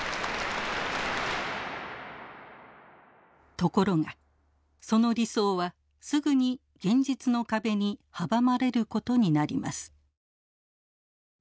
ところがその理想はすぐに現実の壁に阻まれることになります。